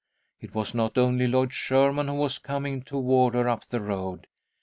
It was not only Lloyd Sherman who was coming toward her up the road.